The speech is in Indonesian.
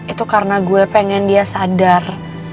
itu karena gue pengen dia sadar